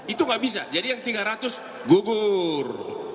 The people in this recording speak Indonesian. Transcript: itu nggak bisa jadi yang tiga ratus gugur